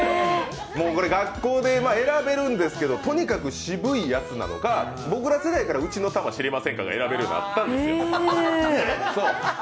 学校で選べるんですけど、とにかく渋いやつなのか、僕ら世代から「うちのタマ知りませんか」が選べるようになったんです。